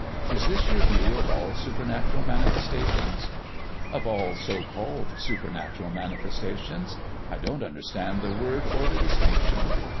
"Is this your view of all supernatural manifestations?" "Of all so called supernatural manifestations; I don't understand the word or the distinction.